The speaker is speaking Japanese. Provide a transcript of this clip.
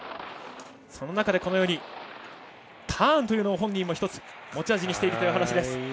その中でターンというのを本人も持ち味にしているという話です。